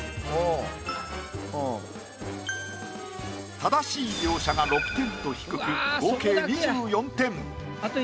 正しい描写が６点と低く合計２４点。